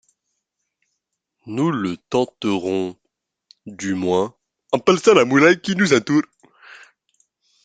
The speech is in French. Nous le tenterons, du moins, en perçant la muraille qui nous entoure.